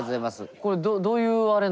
これどういうあれなんすか？